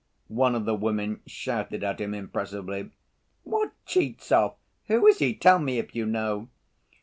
one of the women shouted at him impressively. "What Tchizhov? Who is he? Tell me, if you know."